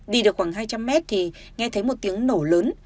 đi được khoảng hai trăm linh mét thì nghe thấy một tiếng nổ lớn